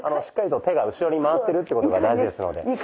しっかりと手が後ろに回ってるっていうことが大事ですので。